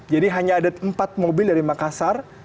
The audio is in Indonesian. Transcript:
jadi hanya ada empat mobil dari makassar